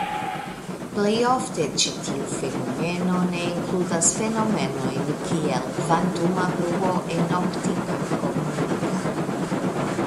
Plej ofte ĉi tiu fenomeno ne inkludas fenomenojn kiel kvantuma bruo en optika komunikado.